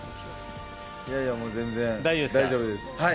いやいや全然大丈夫です。